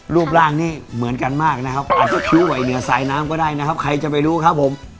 รูปร่างนี้เหมือนกันมากนะครับอาจจะคิ้วไหวเหนือสายน้ำก็ได้นะครับใครจะไปรู้ครับผม